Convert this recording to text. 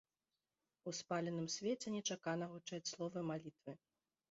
У спаленым свеце нечакана гучаць словы малітвы.